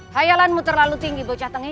hayalanmu terlalu tinggi bocah tengik